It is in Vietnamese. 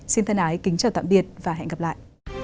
xin thân ái kính chào tạm biệt và hẹn gặp lại